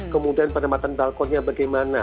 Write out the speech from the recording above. kemudian penempatan balkonnya bagaimana